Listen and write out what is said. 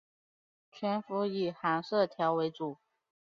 全幅以寒色调为主